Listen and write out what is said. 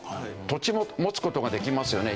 土地も持つ事ができますよね。